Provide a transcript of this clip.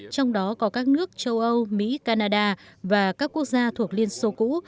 trong đó có các nước châu âu mỹ canada và các quốc gia thuộc liên xô cũ